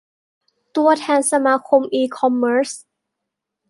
ตัวแทนสมาคมอีคอมเมิร์ช